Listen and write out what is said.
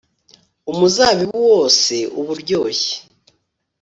umuzabibu wose uba uryoshye